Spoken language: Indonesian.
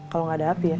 kalo gak ada api ya